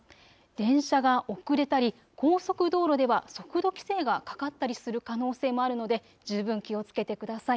電車が遅れたり高速道路では速度規制がかかったりする可能性もあるので十分気をつけてください。